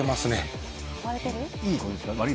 いいことですか？